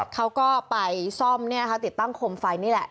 เขาก็ไปซ่อมเนี่ยนะคะติดตั้งโคมไฟนี่แหละ